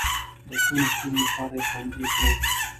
د څو نسلونو لپاره یې خوندي کړي.